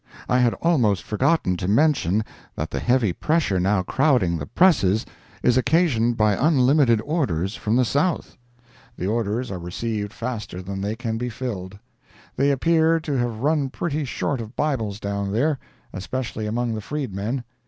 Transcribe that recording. I had almost forgotten to mention that the heavy pressure now crowding the presses is occasioned by unlimited orders from the South. The orders are received faster than they can be filled. They appear to have run pretty short of Bibles down there, especially among the freedmen.